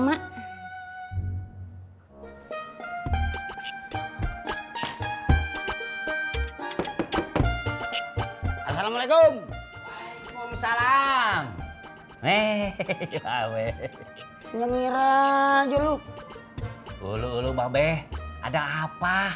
assalamualaikum waalaikumsalam hehehe hehehe hehehe ngira ngira jodoh dulu mbah beh ada apa